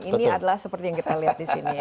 ini adalah seperti yang kita lihat di sini ya